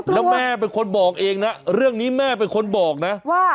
แล้วแม่เป็นคนบอกเองนะเรื่องนี้แม่เป็นคนบอกนะว่า